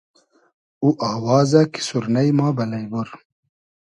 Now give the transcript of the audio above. او آوازۂ کی سورنݷ ما بئلݷ بور